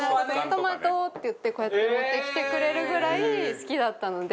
「トマト！」って言ってこうやって持ってきてくれるぐらい好きだったので。